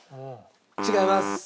違います。